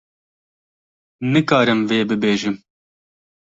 - Nikarim vê bibêjim.